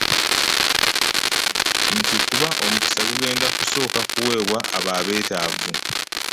Nti kuba omukisa gugenda kusooka kuweebwa abo abeetaavu.